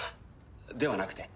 ではなくて。